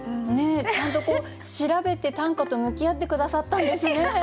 ちゃんと調べて短歌と向き合って下さったんですね。